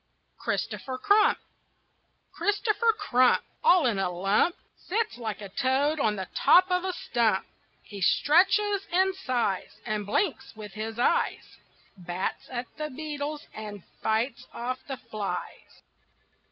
CHRISTOPHER CRUMP Christopher Crump, All in a lump, Sits like a toad on the top of a stump. He stretches and sighs, And blinks with his eyes, Bats at the beetles and fights off the flies.